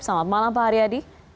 selamat malam pak haryadi